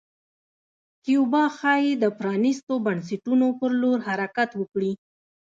کیوبا ښايي د پرانیستو بنسټونو په لور حرکت وکړي.